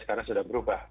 sekarang sudah berubah